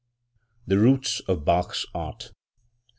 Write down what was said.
THE ROOTS OF BACH'S ART.